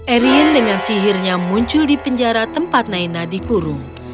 erien dengan sihirnya muncul di penjara tempat naina dikurung